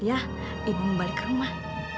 ya ibu mau balik ke rumah